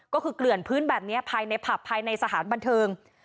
ก็คือเกลื่อนพื้นแบบนี้ภายในผับภายในสถานบันเทิง